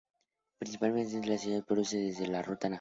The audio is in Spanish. El principal acceso a la ciudad se produce desde la ruta Nac.